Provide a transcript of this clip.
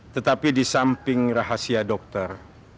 tetapi di samping rahasia dokter